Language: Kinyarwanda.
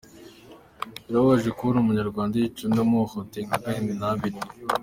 Birababaje kubona umunyarwanda yica undi amuhohoteye nka Gahini n’Abeli!